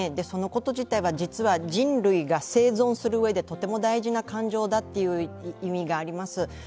そのこと自体は、人類が生存するうえでとても大事な感情だという意味があります。